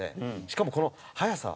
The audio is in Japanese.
しかもこの速さ。